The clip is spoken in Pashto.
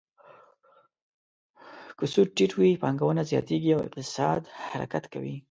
که سود ټیټ وي، پانګونه زیاتیږي او اقتصاد حرکت کوي.